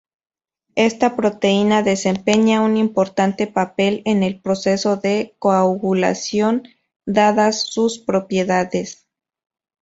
Esta proteína desempeña un importante papel en el proceso de coagulación, dadas sus propiedades.